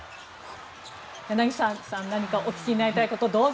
柳澤さん何かお聞きになりたいことどうぞ！